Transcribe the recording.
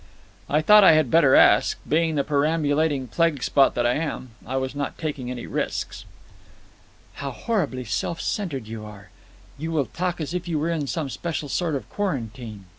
"I thought I had better ask. Being the perambulating plague spot I am, I was not taking any risks." "How horribly self centred you are! You will talk as if you were in some special sort of quarantine.